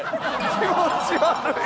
気持ち悪い。